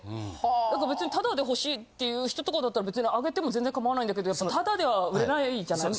だから別にタダで欲しいっていう人とかだったら別にあげても全然かまわないんだけどタダでは売れないじゃない？